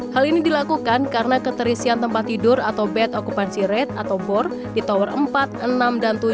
hal ini dilakukan karena keterisian tempat tidur atau bed okupansi rate atau bor di tower empat enam dan tujuh